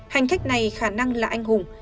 hành khách này khả năng là anh hùng